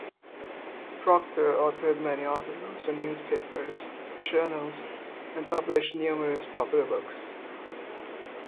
Proctor authored many articles for newspapers, journals and published numerous popular books.